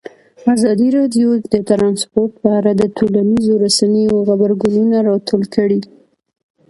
ازادي راډیو د ترانسپورټ په اړه د ټولنیزو رسنیو غبرګونونه راټول کړي.